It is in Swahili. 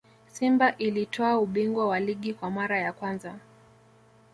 simba ilitwaa ubingwa wa ligi kwa mara ya kwanza